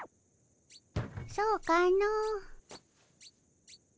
そうかの。